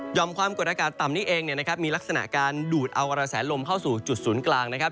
หย่อมความกดอากาศต่ำนี่เองเนี่ยนะครับมีลักษณะการดูดเอาการระแสลมเข้าสู่จุดศูนย์กลางนะครับ